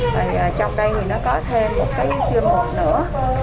và trong đây thì nó có thêm một cái xương ngực nữa